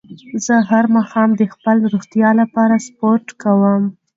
زه هر ماښام د خپلې روغتیا لپاره سپورت کووم